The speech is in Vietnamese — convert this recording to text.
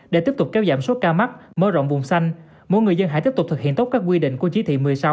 để tiếp tục kéo giảm số ca mắc mới rộng vùng xanh mỗi người dân hãy tiếp tục thực hiện tốt các quy định của chí thị một mươi sáu